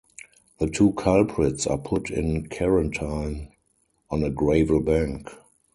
The two culprits are put in quarantine on a gravel bank.